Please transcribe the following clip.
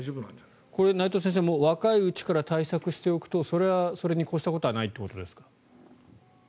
内藤先生、若いうちから対策しておくとそれはそれに越したことがないということですか？